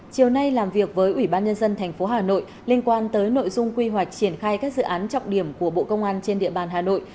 chiều nay làm việc với ủy ban nhân dân tp hà nội liên quan tới nội dung quy hoạch triển khai các dự án trọng điểm của bộ công an trên địa bàn hà nội